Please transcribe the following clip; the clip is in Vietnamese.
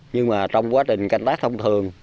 nhưng mà trong quá trình canh tác thông thường